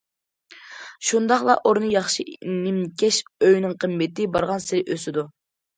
شۇنداقلا ئورنى ياخشى نىمكەش ئۆينىڭ قىممىتى بارغانسېرى ئۆسىدۇ.